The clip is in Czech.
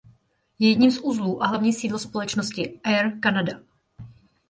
Je jedním z uzlů a hlavní sídlo společnosti Air Canada.